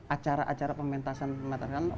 acara acara pementasan matahari kan